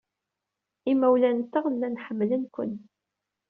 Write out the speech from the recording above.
Imawlan-nteɣ llan ḥemmlen-ken.